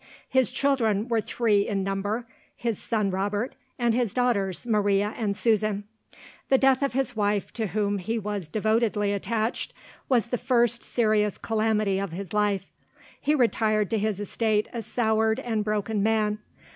His children were three in number: his son Robert, and his daughters Maria and Susan. The death of his wife, to whom he was devotedly attached, was the first serious calamity of his life. He retired to his estate a soured and broken man.